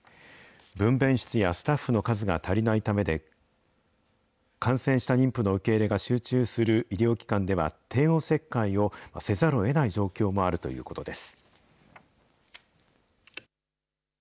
分べん室やスタッフの数が足りないためで、感染した妊婦の受け入れが集中する医療機関では、帝王切開をせざるをえない状況もあるということです。